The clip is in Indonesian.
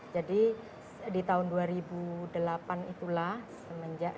di tahun dua ribu delapan itulah semenjak